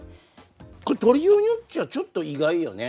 これ取りようによっちゃちょっと意外よね。